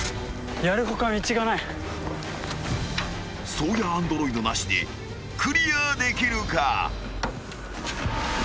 ［颯也アンドロイドなしでクリアできるか？］